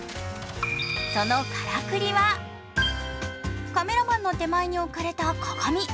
そのからくりは、カメラマンの手前に置かれた鏡。